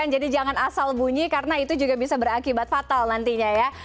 jadi jangan asal bunyi karena itu juga bisa berakibat fatal nantinya ya